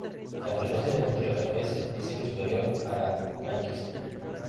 La frecuencia de muestreo Fs es siempre superior a la Nyquist.